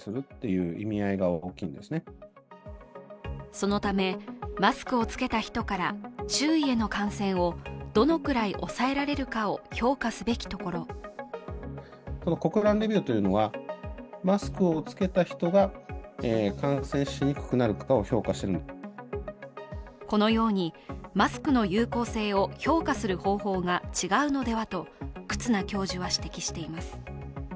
そのため、マスクを着けた人から周囲への感染をどのくらい抑えられるかを評価すべきところこのように、マスクの有効性を評価する方法が違うのではと忽那教授は指摘しています。